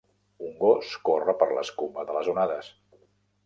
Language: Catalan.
Un gos corre per l'escuma de les onades.